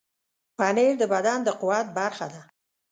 پنېر د بدن د قوت برخه ده.